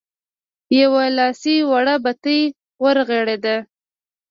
يوه لاسي وړه بتۍ ورغړېده.